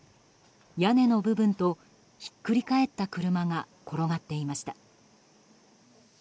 屋根の部分とひっくり返った車が転がっていました。